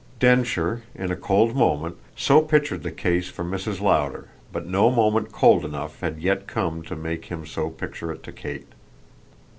Densher, in a cold moment, so pictured the case for Mrs. Lowder, but no moment cold enough had yet come to make him so picture it to Kate.